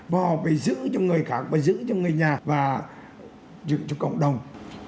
và họ phải giữ cho người khác giữ cho người nhà và giữ cho cộng đồng